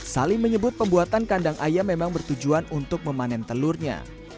salim menyebut pembuatan kandang ayam memang bertujuan untuk memanen telurnya